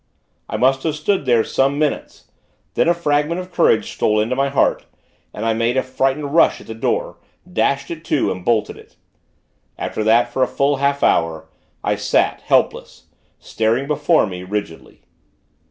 I must have stood there some minutes. Then a fragment of courage stole into my heart, and I made a frightened rush at the door, dashed it to, and bolted it. After that, for a full half hour, I sat, helpless staring before me, rigidly.